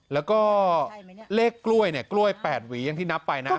แล้วก็เลขกล้วยเนี่ยกล้วย๘หวีอย่างที่นับไปนะ